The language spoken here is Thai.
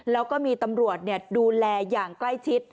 แล้วก็มีตำรวจดูแลอย่างใกล้ชิด